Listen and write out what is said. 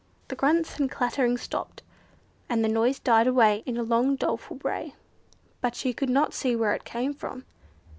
The grunts and clattering stopped, and the noise died away in a long doleful bray, but she could not see where it came from.